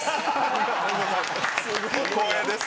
光栄です。